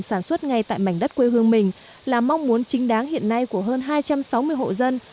sản xuất ngay tại mảnh đất quê hương mình là mong muốn chính đáng hiện nay của hơn hai trăm sáu mươi hộ dân